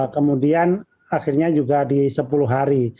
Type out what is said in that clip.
kemudian akhirnya juga di sepuluh hari